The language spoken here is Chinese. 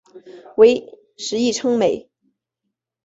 为时议称美。